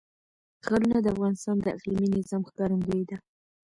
ښارونه د افغانستان د اقلیمي نظام ښکارندوی ده.